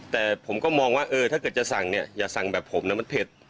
แต่ผมก็มองว่าเออถ้าเกิดจะสั่งเนี่ยอย่าสั่งแบบผมนะมันเผ็ด